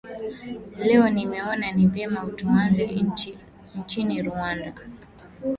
leo nimeona ni vyema tuanzie nchini rwanda